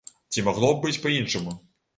Ці магло быць па-іншаму?